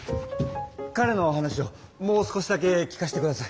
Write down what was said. かれの話をもう少しだけ聞かしてください。